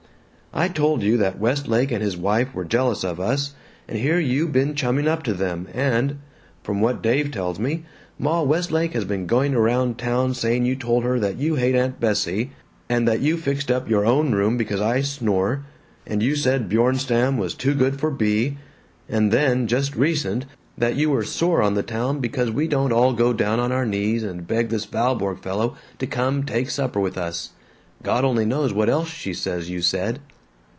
"I told you that Westlake and his wife were jealous of us, and here you been chumming up to them and From what Dave tells me, Ma Westlake has been going around town saying you told her that you hate Aunt Bessie, and that you fixed up your own room because I snore, and you said Bjornstam was too good for Bea, and then, just recent, that you were sore on the town because we don't all go down on our knees and beg this Valborg fellow to come take supper with us. God only knows what else she says you said."